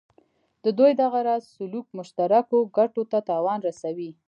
د دوی دغه راز سلوک مشترکو ګټو ته تاوان رسوي.